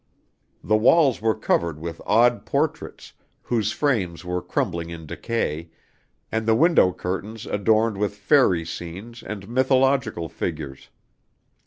The walls were covered with odd portraits, whose frames were crumbling in decay, and the window curtains adorned with fairy scenes and mythological figures.